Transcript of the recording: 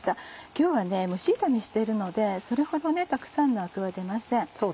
今日は蒸し炒めしてるのでそれほどたくさんのアクは出ません。